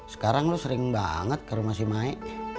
sekarang lo sering banget ke rumah si mae